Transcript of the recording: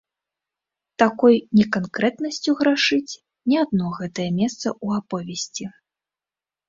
Такой неканкрэтнасцю грашыць не адно гэтае месца ў аповесці.